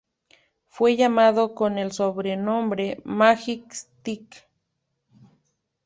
Fue llamado con el sobrenombre Magic Stick.